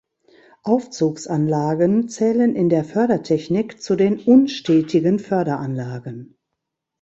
Aufzugsanlagen zählen in der Fördertechnik zu den "unstetigen" Förderanlagen.